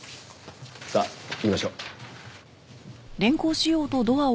さあ行きましょう。